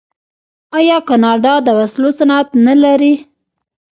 آیا کاناډا د وسلو صنعت نلري؟